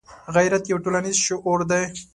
غیرت یو ټولنیز شعور دی